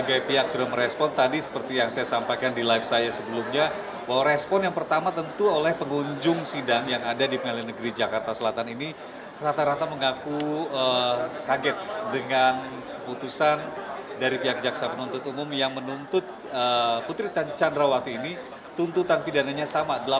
saya kaget dengan keputusan dari pihak jaksa penuntut umum yang menuntut putri candrawati ini tuntutan pidananya sama